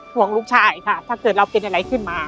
ห่วงลูกชายค่ะถ้าเกิดเราเป็นอะไรขึ้นมา